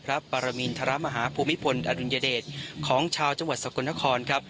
ปรมินทรมาฮาภูมิพลอดุลยเดชของชาวจังหวัดสกลนครครับ